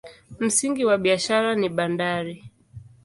Msingi wa biashara ni bandari.